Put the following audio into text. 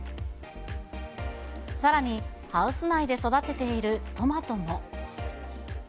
さらに、ハウス内で育てているトマトも。